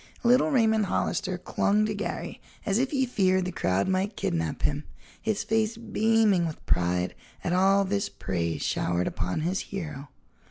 Little Raymond Hollister clung to Garry as if he feared the crowd might kidnap him, his face beaming with pride at all this praise showered upon his hero.